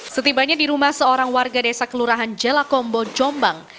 setibanya di rumah seorang warga desa kelurahan jelakombo jombang